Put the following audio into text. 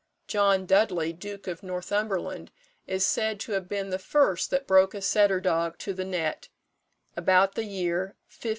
John Dudley, duke of Northumberland, is said to have been the first that broke a setter dog to the net, about the year 1555.